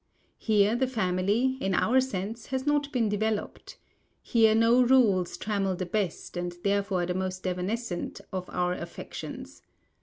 Here the Family, in our sense, has not been developed. Here no rules trammel the best and therefore the most evanescent of our affections.